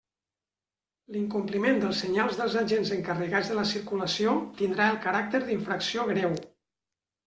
L'incompliment dels senyals dels agents encarregats de la circulació tindrà el caràcter d'infracció greu.